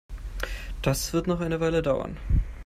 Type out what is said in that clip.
Das wird noch eine Weile dauern.